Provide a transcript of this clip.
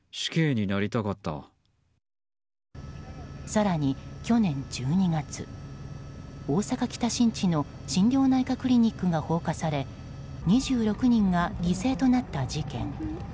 更に去年１２月大阪・北新地の心療内科クリニックが放火され２６人が犠牲となった事件。